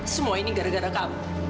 semua ini gara gara kamu